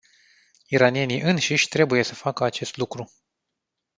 Iranienii înșiși trebuie să facă acest lucru.